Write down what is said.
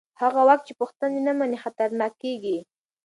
هغه واک چې پوښتنې نه مني خطرناک کېږي